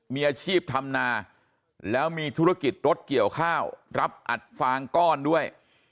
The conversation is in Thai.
มีอาชีพทำนาแล้วมีธุรกิจรถเกี่ยวข้าวรับอัดฟางก้อนด้วย